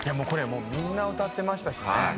これみんな歌ってましたしね。